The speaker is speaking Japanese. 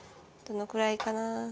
どのくらいかな？